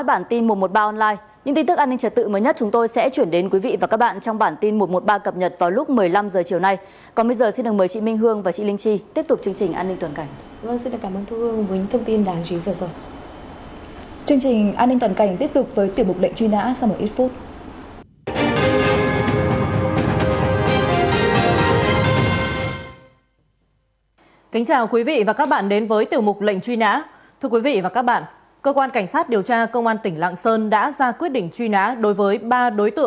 an ninh toàn cảnh tiếp tục với tiểu mục lệnh truy nã sau một ít phút